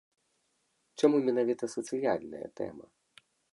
Чаму менавіта сацыяльная тэма?